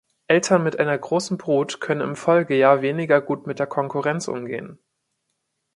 Eltern mit einer großen Brut können im Folgejahr weniger gut mit der Konkurrenz umgehen.